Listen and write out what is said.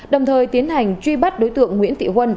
đồng thời tiến hành truy bắt đối tượng nguyễn thị huân